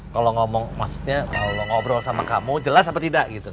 kalau ngobrol sama kamu jelas apa tidak